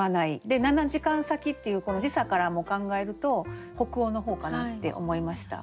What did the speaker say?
で「七時間先」っていうこの時差からも考えると北欧の方かなって思いました。